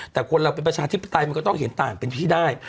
แต่คนเราเป็นประชาธิปไตยมันก็ต้องเห็นต่างเป็นที่ได้